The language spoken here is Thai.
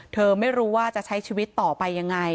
เธอไม่รู้ว่าจะใช้ชีวิตต่อไปยังไง